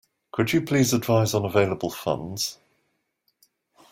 Could you please advise on available funds?